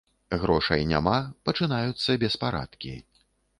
Грошай няма, пачынаюцца беспарадкі.